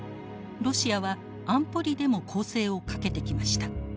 ロシアは安保理でも攻勢をかけてきました。